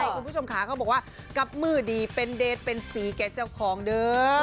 คุณผู้ชมขาเขาบอกว่ากับมือดีเป็นเดทเป็นสีแก่เจ้าของเด้อ